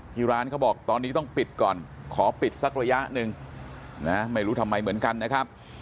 ที่ร้านเขาบอกตอนนี้ต้องปิดก่อนขอปิดสักระยะหนึ่งนะไม่รู้ทำไมเหมือนกันนะครับ